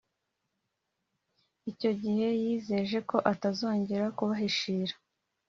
Icyo gihe yizeje ko atazongera kubahishira